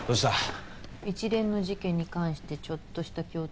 一連の事件に関してちょっとした共通点。